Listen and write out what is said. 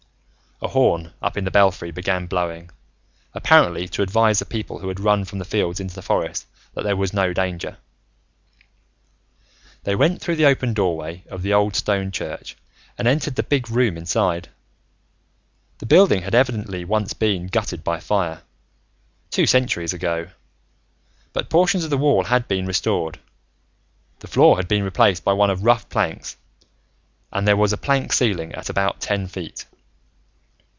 '" A horn up in the belfry began blowing, apparently to advise the people who had run from the fields into the forest that there was no danger. They went through the open doorway of the old stone church and entered the big room inside. The building had evidently once been gutted by fire, two centuries ago, but portions of the wall had been restored. The floor had been replaced by one of rough planks, and there was a plank ceiling at about ten feet.